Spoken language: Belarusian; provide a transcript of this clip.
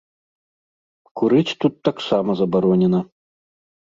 Курыць тут таксама забаронена.